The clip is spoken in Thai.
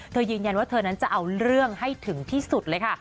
ยืนยันว่าเธอนั้นจะเอาเรื่องให้ถึงที่สุดเลยค่ะ